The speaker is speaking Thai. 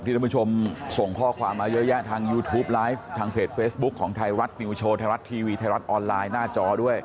ทายลัดนิวโชว์ทายลัดทีวีทายลักษณ์ออนไลน์หน้าจอด้วย